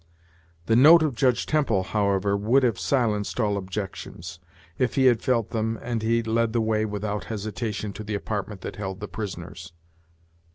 The note of Judge Temple, however, would have silenced all objections, if he had felt them and he led the way without hesitation to the apartment that held the prisoners.